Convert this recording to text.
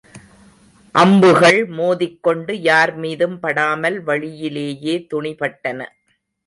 அம்புகள் மோதிக் கொண்டு யார் மீதும் படாமல் வழியிலேயே துணிபட்டன.